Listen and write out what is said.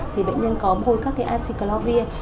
thì bệnh nhân có bôi các cái acyclovir